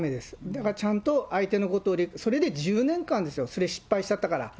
だからちゃんと相手のことを、それで１０年間ですよ、それ失敗しちゃったから。